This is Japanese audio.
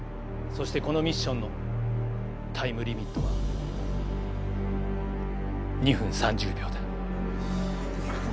そしてこのミッションのタイムリミットは２分３０秒だ。